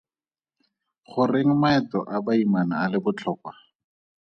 Goreng maeto a baimana a le botlhokwa?